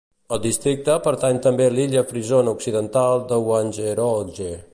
Al districte pertany també l'illa frisona occidental de Wangerooge.